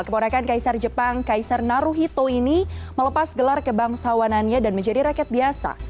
keponakan kaisar jepang kaisar naruhito ini melepas gelar kebangsawanannya dan menjadi rakyat biasa